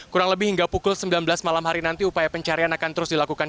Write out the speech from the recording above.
kurang lebih hingga pukul sembilan belas malam hari nanti upaya pencarian akan terus dilakukan